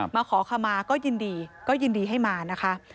มาขอขมาก็ยินดีก็ยินดีให้มานะคะ